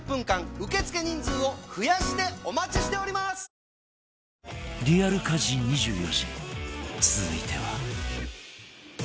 あーリアル家事２４時続いては